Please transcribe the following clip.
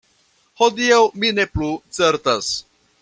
Hodiaŭ mi ne plu certas.